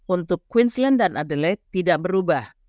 untuk queensland dan adelaid tidak berubah